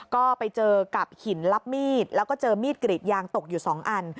ก็ไปเจอกับหินลับมีดแล้วก็เจอมีดกรีดยางตกอยู่๒อัน